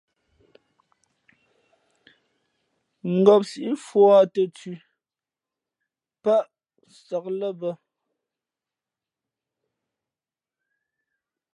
Ngāp síʼ mfūᾱ tα̌ thʉ̄ pάʼ nsāk lά bᾱ.